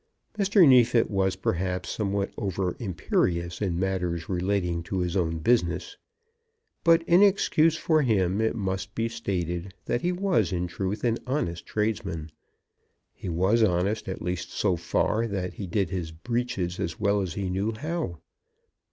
Mr. Neefit was perhaps somewhat over imperious in matters relating to his own business; but, in excuse for him, it must be stated that he was, in truth, an honest tradesman; he was honest at least so far, that he did make his breeches as well as he knew how.